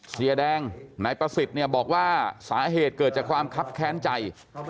เสียแดงนายประสิทธิ์เนี่ยบอกว่าสาเหตุเกิดจากความคับแค้นใจ